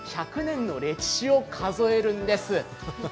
１００年の歴史を数えるんです。